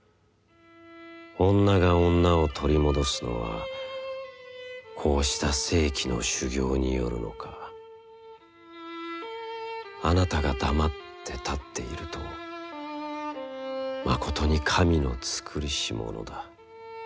をんながをんなを取りもどすのはかうした世紀の修業によるのか。あなたが黙つて立つてゐるとまことに神の造りしものだ。